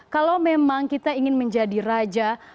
kalau memang kita ingin menjadi raja